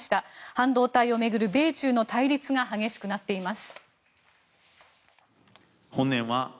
半導体を巡る米中の対立が激しくなっています。